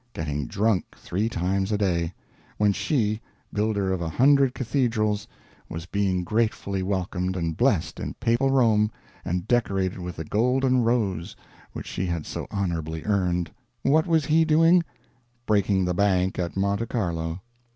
Getting drunk three times a day. When she, builder of a hundred cathedrals, was being gratefully welcomed and blest in papal Rome and decorated with the Golden Rose which she had so honorably earned, what was he doing? Breaking the bank at Monte Carlo.